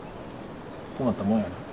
困ったもんやな。